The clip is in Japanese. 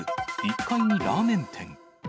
１階にラーメン店。